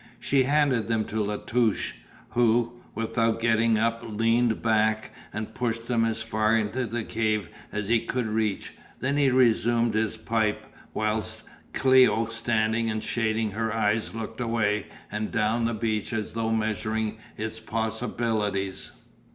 She handed them to La Touche, who, without getting up, leaned back and pushed them as far into the cave as he could reach, then he resumed his pipe whilst Cléo standing and shading her eyes looked away up and down the beach as though measuring its possibilities.